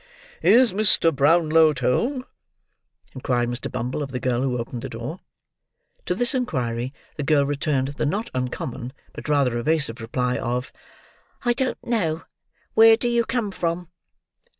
"Is Mr. Brownlow at home?" inquired Mr. Bumble of the girl who opened the door. To this inquiry the girl returned the not uncommon, but rather evasive reply of "I don't know; where do you come from?"